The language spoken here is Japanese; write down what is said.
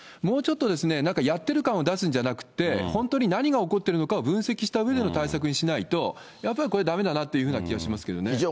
もうちょっとなんかやってる感を出すんじゃなくて、本当に何が起こっているのかを分析したうえでの対策にしないと、やっぱりこれだめだなという気がしますけどね。